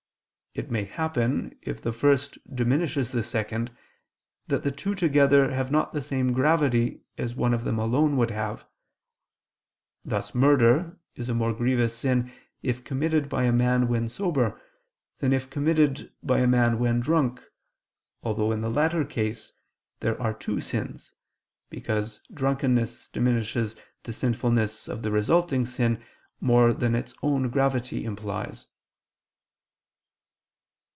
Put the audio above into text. It may happen, if the first diminishes the second, that the two together have not the same gravity as one of them alone would have; thus murder is a more grievous sin if committed by a man when sober, than if committed by a man when drunk, although in the latter case there are two sins: because drunkenness diminishes the sinfulness of the resulting sin more than its own gravity implies.